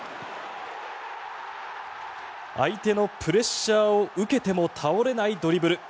相手のプレッシャーを受けても倒れないドリブル。